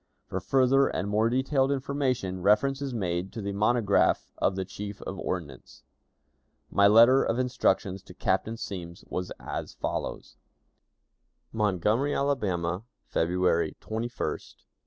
For further and more detailed information, reference is made to the monograph of the Chief of Ordnance. My letter of instructions to Captain Semmes was as follows: "Montgomery, Alabama, February 21, 1861.